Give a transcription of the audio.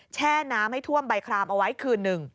แช่น้ำให้ท่วมใบครามเอาไว้คืนหนึ่ง